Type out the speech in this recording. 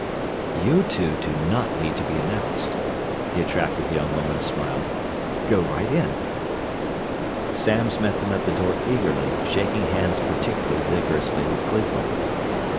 "You two do not need to be announced," the attractive young woman smiled. "Go right in." Samms met them at the door eagerly, shaking hands particularly vigorously with Cleveland.